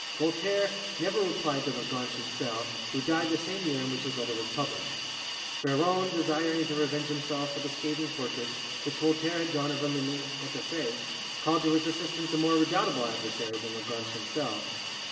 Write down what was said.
Voltaire never replied to Lagrange Chancel, who died the same year in which his letter was published. Freron desiring to revenge himself for the scathing portrait which Voltaire had drawn of him in the 'Ecossaise', called to his assistance a more redoubtable adversary than Lagrange Chancel.